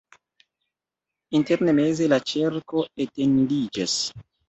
Interne meze la ĉerko etendiĝas.